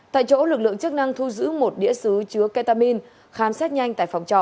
tại chỗ lực lượng chức năng thu giữ một đĩa xứ chứa ketamin khám xét nhanh tại phòng trọ